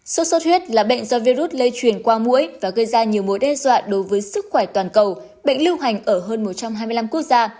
sốt xuất huyết là bệnh do virus lây truyền qua mũi và gây ra nhiều mối đe dọa đối với sức khỏe toàn cầu bệnh lưu hành ở hơn một trăm hai mươi năm quốc gia